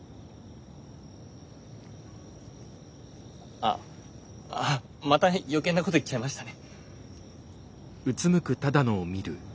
あっまた余計なこと言っちゃいましたね。